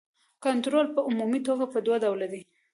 کنټرول په عمومي توګه په دوه ډوله دی.